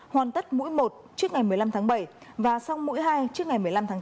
hoàn tất mũi một trước ngày một mươi năm tháng bảy và song mũi hai trước ngày một mươi năm tháng chín